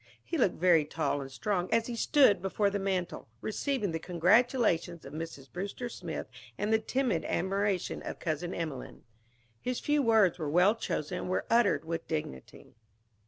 He looked very tall and strong as he stood before the mantel, receiving the congratulations of Mrs. Brewster Smith and the timid admiration of Cousin Emelene. His few words were well chosen and were uttered with dignity.